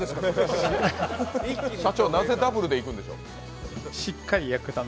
社長、なぜダブルでいくんでしょう？